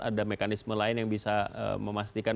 ada mekanisme lain yang bisa memastikan